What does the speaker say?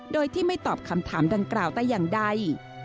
โดยที่ไม่ตอบคำถามดังกล่าวแต่อย่างใด